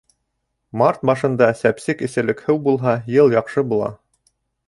Март башында сәпсек эсерлек һыу булһа, йыл яҡшы була.